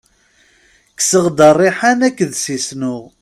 Kkseɣ-d rriḥan akked sisnu.